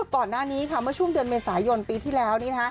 ก่อนหน้านี้เมื่อช่วงเดือนเมษายนปีที่แล้ว